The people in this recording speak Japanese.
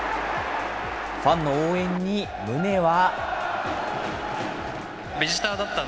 ファンの応援に宗は。